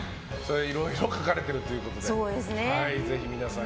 いろいろ書かれているということでぜひ皆さん